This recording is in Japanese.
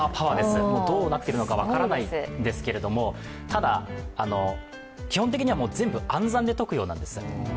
どうなっているのか分からないですけれどもただ、基本的には全部暗算で解くようなんです。